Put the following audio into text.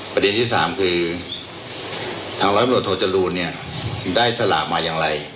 ประเด็นที่๓คือทางรับบริมูลโทษจรูนได้สลับมาอย่างไร